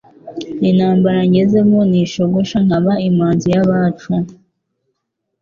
Intambara ngezemo ntishogosha Nkaba imanzi y' abacu.